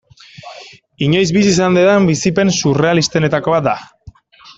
Inoiz bizi izan dudan bizipen surrealistenetako bat da.